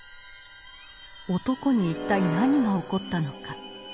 男に一体何が起こったのか。